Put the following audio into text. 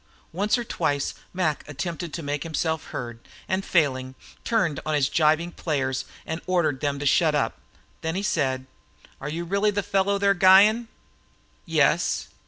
Once or twice Mac attempted to make himself heard, and failing, turned on his gibing players and ordered them to shut up. Then he said: "Are you really the fellow they're guyin'?" "Yes."